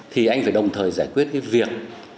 thì anh phải đồng thời giải quyết cái việc